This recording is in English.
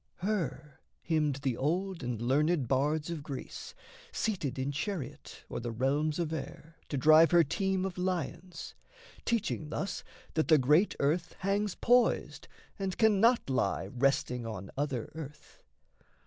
Her hymned the old and learned bards of Greece Seated in chariot o'er the realms of air To drive her team of lions, teaching thus That the great earth hangs poised and cannot lie Resting on other earth.